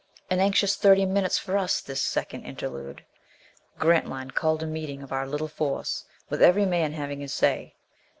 An anxious thirty minutes for us, this second interlude. Grantline called a meeting of all our little force, with every man having his say.